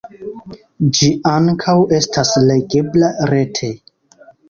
Ĝi ankaŭ estas legebla rete.